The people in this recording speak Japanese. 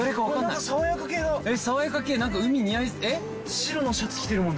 白のシャツ着てるもん！